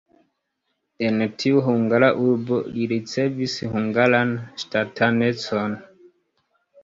En tiu hungara urbo li ricevis hungaran ŝtatanecon.